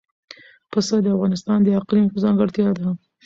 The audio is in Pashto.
پسه د افغانستان د اقلیم ځانګړتیا ده.